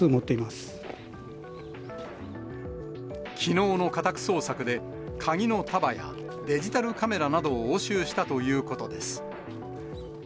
きのうの家宅捜索で、鍵の束やデジタルカメラなどを押収したということです。